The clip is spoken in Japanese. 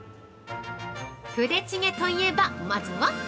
プデチゲといえば、まずは。